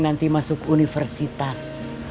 nanti masuk universitas